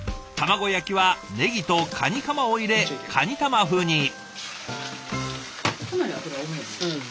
卵焼きはねぎとかにかまを入れかに玉風に。